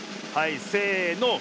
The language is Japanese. はいせの！